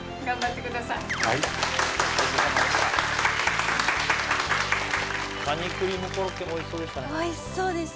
はいカニクリームコロッケもおいしそうでした